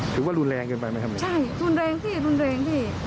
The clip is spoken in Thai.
ถูกว่ารุนแรงเกินไปไหมครับนี่ใช่รุนแรงสิพี่